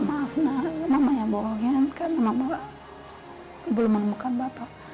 maaf mama yang bohongin karena mama belum menemukan bapak